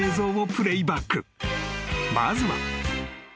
［まずは］